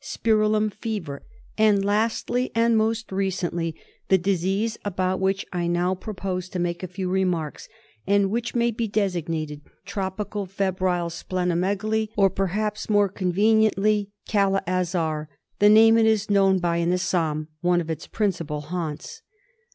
Spirillum fever, and lastly and most recently the disease about which I now propose to make a few remarks and which may be designated Tropical Febrile Spleno megaly, or I 2 132 KALA AZAR. perhaps, and more conveniently, Kala Azar, the name it is known by in Assam, one of its principal haunts.